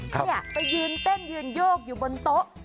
เนี่ยไปยืนเต้นยืนโยกอยู่บนโต๊ะ